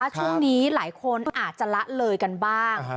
ช่วงนี้หลายคนอาจจะละเลยกันบ้าง